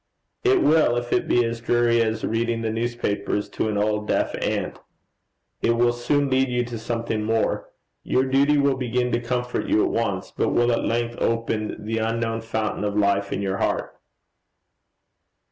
'It will, if it be as dreary as reading the newspapers to an old deaf aunt. It will soon lead you to something more. Your duty will begin to comfort you at once, but will at length open the unknown fountain of life in your heart.'